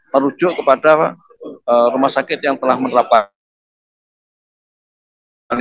merujuk kepada rumah sakit yang telah menerapkan